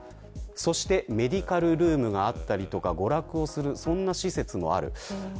そしてメディカルルームがあったりとか娯楽をする施設もあります。